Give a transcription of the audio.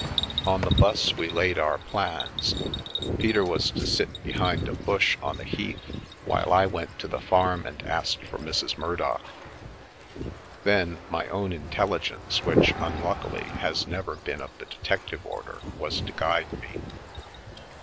On the 'bus we laid our plans. Peter was to sit be hind a bush on the Heath while I went to the farm and asked for Mrs. Murdock. Then my own intelligence, which unluckily has never been of the detective order, was to guide me.